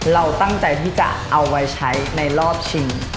เราตั้งใจที่จะเอาไว้ใช้ในรอบชิง